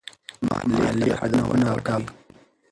مالي هدفونه وټاکئ.